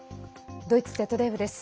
ドイツＺＤＦです。